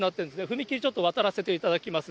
踏切ちょっと渡らせていただきます。